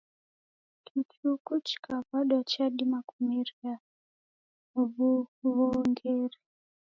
Kichuku chikaw'adana chadima kumeria w'uw'ongeri.